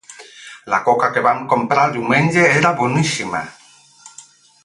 La coca que vam comprar diumenge era boníssima.